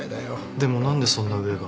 でも何でそんな上が。